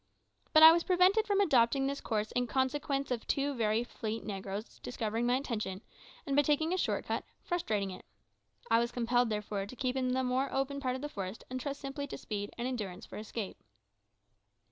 But I was prevented from adopting this course in consequence of two very fleet negroes discovering my intention, and, by taking a short cut, frustrating it. I was compelled, therefore, to keep in the more open part of the forest, and trust simply to speed and endurance for escape.